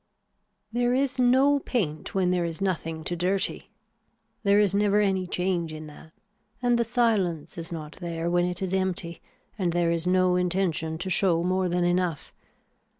There is no paint when there is nothing to dirty. There is never any change in that and the silence is not there when it is empty and there is no intention to show more than enough.